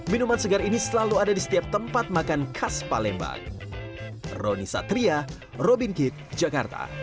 minuman segar ini selalu ada di setiap tempat makan khas palembang